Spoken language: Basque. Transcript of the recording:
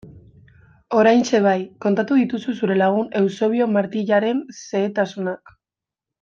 Oraintxe bai, kontatu dituzu zure lagun Eusebio Martijaren xehetasunak...